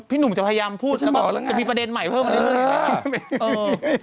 หนุ่มจะพยายามพูดแล้วก็จะมีประเด็นใหม่เพิ่มมาเรื่อย